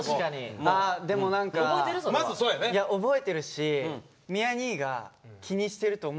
いや覚えてるし宮兄が気にしてると思ってなかった。